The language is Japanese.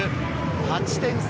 ８点差。